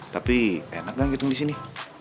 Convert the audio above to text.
tapi enak gak ngitung di sini